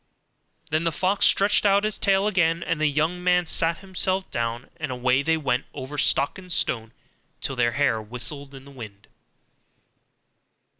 Then the fox stretched out his tail again, and the young man sat himself down, and away they went over stock and stone till their hair whistled in the wind.